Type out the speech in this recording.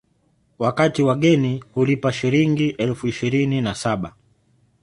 Wakati wageni hulipa Shilingi elfu ishirini na saba